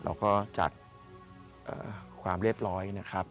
เราก็จัดความเรียบร้อยนะครับ